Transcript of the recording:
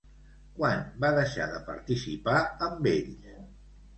Quan va deixar de participar amb ells?